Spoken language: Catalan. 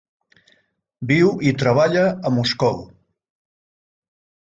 Viu i treballa a Moscou.